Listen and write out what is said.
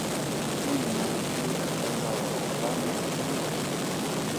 Rapine e malattie causarono danni gravissimi.